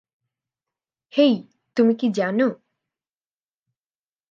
হেই, তুমি কী জানো?